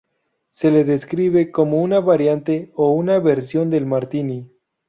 Se le describe como una variante o una versión del Martini.